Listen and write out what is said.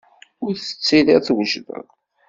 Ur tettiliḍ twejdeḍ.